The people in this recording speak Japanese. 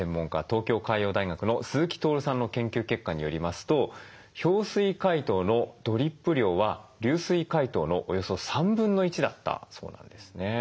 東京海洋大学の鈴木徹さんの研究結果によりますと氷水解凍のドリップ量は流水解凍のおよそ1/3だったそうなんですね。